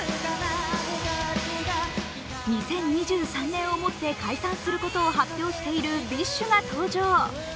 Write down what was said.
２０２３年をもって解散することを発表しているＢｉＳＨが登場。